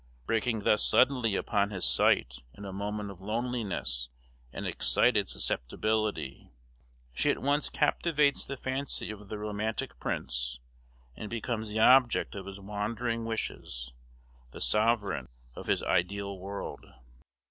Breaking thus suddenly upon his sight in a moment of loneliness and excited susceptibility, she at once captivates the fancy of the romantic prince, and becomes the object of his wandering wishes, the sovereign of his ideal world.